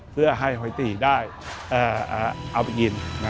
เพื่อให้หอยตีได้เอาไปกิน